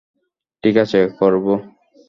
ঠিক আছে, করবো।